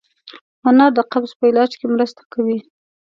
انار د قبض په علاج کې مرسته کوي.